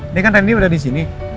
ini kan randy udah di sini